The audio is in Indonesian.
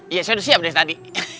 iya saya udah siap dari tadi